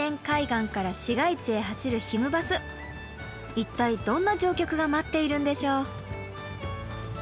一体どんな乗客が待っているんでしょう。